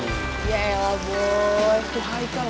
itu haikal om